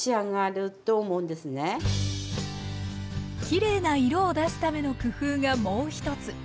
きれいな色を出すための工夫がもう一つ。